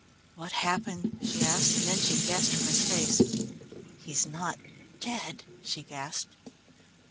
"What happened?" she asked, and then she guessed from his face. "He's not dead?" she gasped.